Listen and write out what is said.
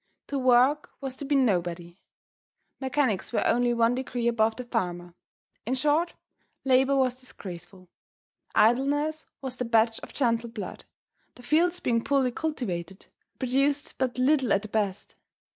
To work was to be nobody. Mechanics were only one degree above the farmer. In short, labor was disgraceful. Idleness was the badge of gentle blood. The fields being poorly cultivated produced but little at the best.